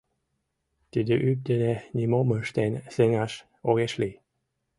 Тиде ӱп дене нимом ыштен сеҥаш огеш лий.